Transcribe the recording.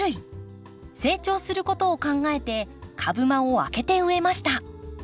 成長することを考えて株間を空けて植えました。